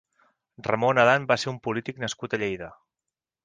Ramón Adán va ser un polític nascut a Lleida.